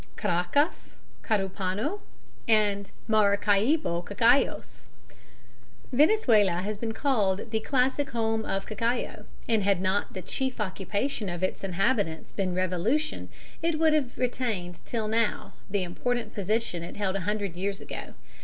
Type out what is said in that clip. Caracas, Carupano and Maracaibo Cacaos. Venezuela has been called "the classic home of cacao," and had not the chief occupation of its inhabitants been revolution, it would have retained till now the important position it held a hundred years ago.